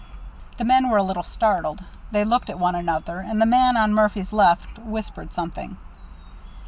The men were a little startled. They looked at one another, and the man on Murphy's left whispered something.